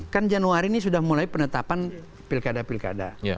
kan januari ini sudah mulai penetapan pilkada pilkada